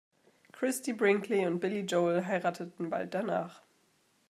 Christie Brinkley und Billy Joel heirateten bald danach.